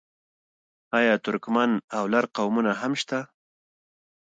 آیا ترکمن او لر قومونه هم نشته؟